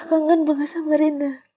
mama juga kangen bangga sama rina